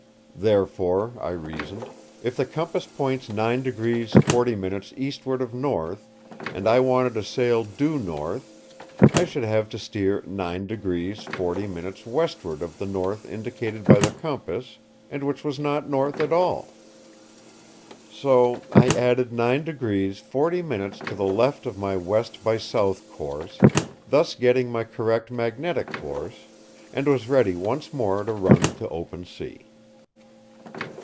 Therefore, I reasoned, if the compass points 9° 40′ eastward of north, and I wanted to sail due north, I should have to steer 9° 40′ westward of the north indicated by the compass and which was not north at all. So I added 9° 40′ to the left of my west by south course, thus getting my correct Magnetic Course, and was ready once more to run to open sea.